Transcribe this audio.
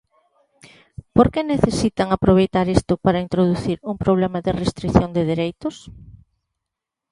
¿Por que necesitan aproveitar isto para introducir un problema de restrición de dereitos?